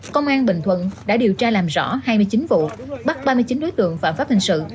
công an bình thuận đã điều tra làm rõ hai mươi chín vụ bắt ba mươi chín đối tượng phạm pháp hình sự